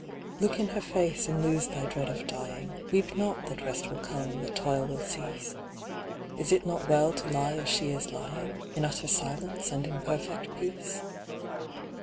Look in her face and lose thy dread of dying; Weep not that rest will come, that toil will cease; Is it not well to lie as she is lying, In utter silence, and in perfect peace?